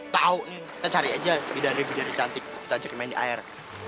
tau kita cari aja bidari bidari cantik kita ajak main di air